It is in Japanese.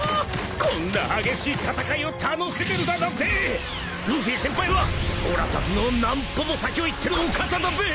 こんな激しい戦いを楽しめるだなんてルフィ先輩はおらたちの何歩も先を行ってるお方だべ！］